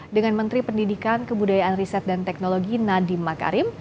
dengan menteri pendidikan kebudayaan riset dan teknologi nadiem makarim